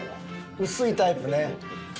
薄いタイプね。